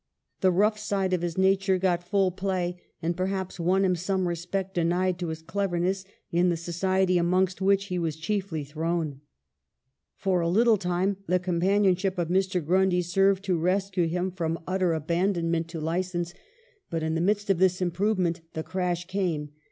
The rough side of his nature got full play, and perhaps won him some respect denied to his cleverness, in the society amongst which he was chiefly thrown. For a little time the companionship of Mr. Grundy served to rescue him from utter aban 128 EMILY BRONTE. donment to license. But in the midst of this improvement, the crash came.